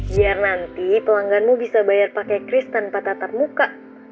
biar nanti pelangganmu bisa bayar pakai kris tanpa tatap muka